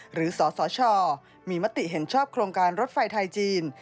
สสชมีมติเห็นชอบโครงการรถไฟไทยจีน